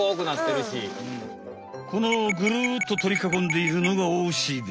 このぐるっととりかこんでいるのがおしべ。